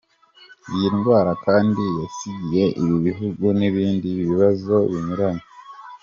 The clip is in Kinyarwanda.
Iyi ndwara kandi yasigiye ibi bihugu n’ibindi bibazo binyuranye.